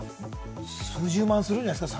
数十万するんじゃないですか？